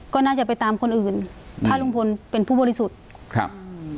ก็น่าจะไปตามคนอื่นถ้าลุงพลเป็นผู้บริสุทธิ์ครับอืม